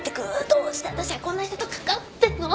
どうして私はこんな人と関わってんの？